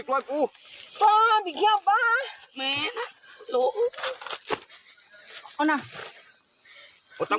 พี่พาดน้ำหรือไม่เจ็บน้ำ